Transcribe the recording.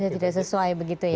tidak sesuai begitu ya